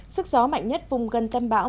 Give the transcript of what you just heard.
sức gió mạnh nhất vùng gần tâm bão